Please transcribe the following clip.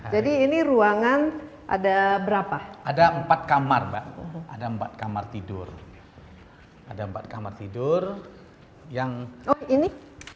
jadi ini ruangan ada berapa ada empat kamar ada empat kamar tidur ada empat kamar tidur yang ini